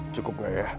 cukup gak ya